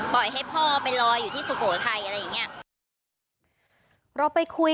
ปล่อยให้พ่อไปรออยู่สุโปรไทย